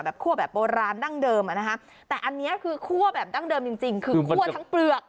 คั่วแบบโบราณดั้งเดิมอ่ะนะคะแต่อันนี้คือคั่วแบบดั้งเดิมจริงจริงคือคั่วทั้งเปลือก